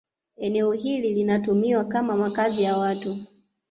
Eneo hili linatumiwa kama makazi ya watu